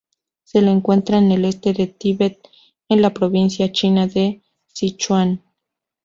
Se la encuentra en el este del Tíbet, en la provincia china de Sichuan.